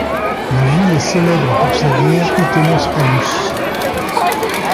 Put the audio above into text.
La ville est célèbre pour sa bière Utenos alus.